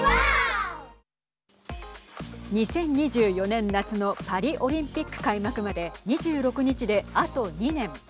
２０２４年夏のパリオリンピック開幕まで２６日で、あと２年。